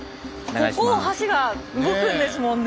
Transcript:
ここを橋が動くんですもんね。